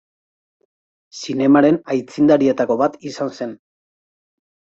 Zinemaren aitzindarietako bat izan zen.